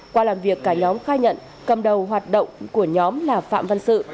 qua làm việc cả nhóm khai nhận cầm đầu hoạt động của nhóm là phạm văn sự